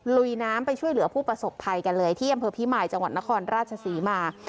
ลุยน้ำไปช่วยเหลือผู้ประสบภัยกันเลยที่อำเภอพิมายจังหวัดนครราชศรีมา